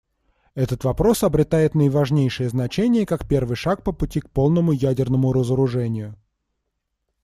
Этот вопрос обретает наиважнейшее значение как первый шаг по пути к полному ядерному разоружению.